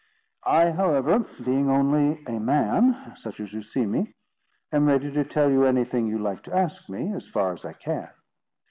I, however, being only a man, such as you see me, am ready to tell you anything you like to ask me, as far as I can.